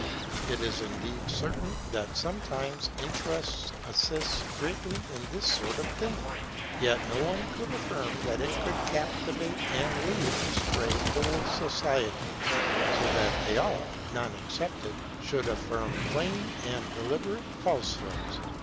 It is indeed certain that sometimes interest assists greatly in this sort of thing, yet no one could affirm that it could captivate and lead astray whole societies, so that they all, none excepted, should affirm plain and deliberate falsehoods.